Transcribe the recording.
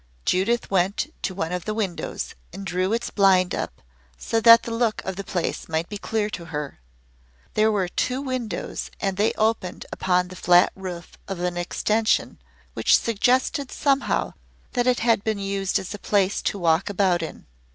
Judith went to one of the windows and drew its blind up so that the look of the place might be clear to her. There were two windows and they opened upon the flat roof of an extension, which suggested somehow that it had been used as a place to walk about in.